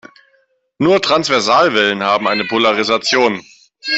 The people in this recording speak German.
Nur Transversalwellen haben eine Polarisation.